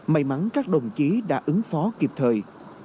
may mắn các đồng chí đã ứng phó kịp thời